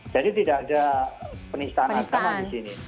jadi tidak ada penistaan agama